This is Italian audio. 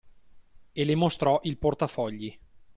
E le mostrò il portafogli.